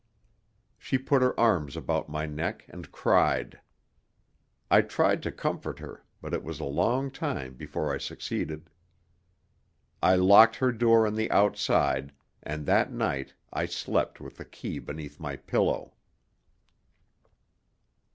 She put her arms about my neck and cried. I tried to comfort her, but it was a long time before I succeeded. I locked her door on the outside, and that night I slept with the key beneath my pillow.